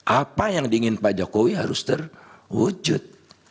apa yang diingin pak jokowi harus terwujud